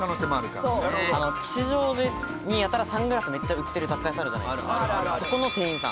吉祥寺にやたらサングラスめっちゃ売ってる雑貨屋さん、あるじゃないです